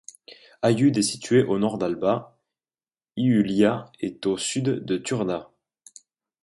Aiud est situé à au nord d'Alba Iulia et à au sud de Turda.